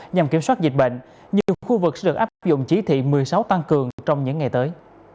nhằm kiểm soát dịch bệnh nhiều khu vực sẽ áp dụng chỉ thị một mươi sáu tăng cường trong những ngày tới